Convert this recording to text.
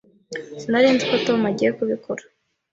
Sinari nzi ko Tom agiye kubikora.